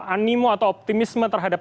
animo atau optimisme terhadap